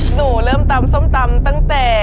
หนูเริ่มตำส้มตำตั้งแต่